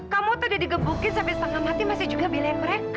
kamu tuh udah dikebukin sampai setengah mati masih juga belain mereka